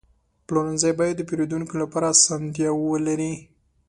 پلورنځی باید د پیرودونکو لپاره اسانتیاوې ولري.